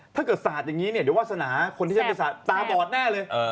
ถ้าเกิดสาดอย่างนี้เนี่ยเดี๋ยววาสนาคนที่จะไปสาดตาบอดแน่เลย